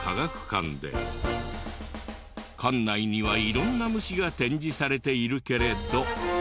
館内には色んな虫が展示されているけれど。